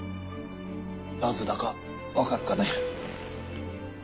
なぜだかわかるかね？